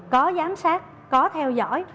có giám sát có theo dõi